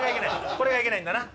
これがいけないんだ。